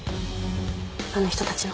あの人たちの。